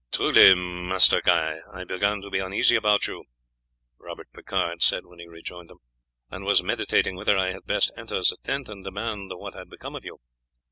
"Truly, Master Guy, I began to be uneasy about you," Robert Picard said when he rejoined him, "and was meditating whether I had best enter the tent, and demand what had become of you.